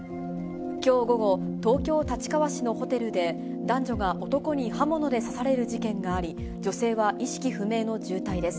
きょう午後、東京・立川市のホテルで、男女が男に刃物で刺される事件があり、女性は意識不明の重体です。